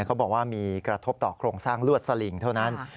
เขาบอกว่ามีกระทบต่อโครงสร้างลวดสลิงเท่านั้น